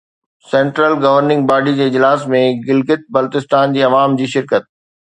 central governing body جي اجلاس ۾ گلگت بلتستان جي عوام جي شرڪت